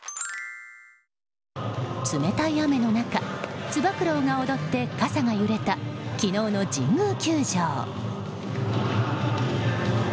冷たい雨の中、つば九郎が踊って傘が揺れた昨日の神宮球場。